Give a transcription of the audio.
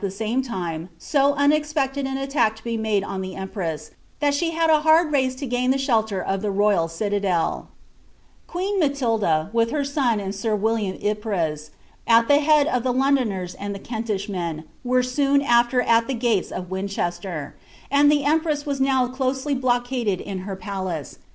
th« same time, so unexpecied an attack to be made on the emptn«,lte she had a hani race to gain the shelter of the royal citadd.* ^uecn Klaiilda, with her son and »ir William Ypres, at the he«J cf Ihe Londoners and the Kentishmen, were soon aAerat the gates uf ftW Chester; and the empress was now bo cJusely blockaded in her palwt 'TjTrelL *Uslin*buT7. Gerrue.